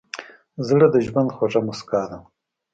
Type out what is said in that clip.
زړه د ژوند خوږه موسکا ده.